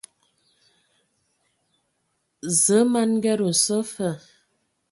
Zǝə ma n Nged nso fa.